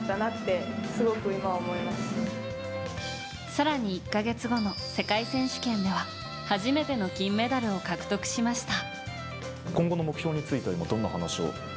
更に１か月後の世界選手権では初めての金メダルを獲得しました。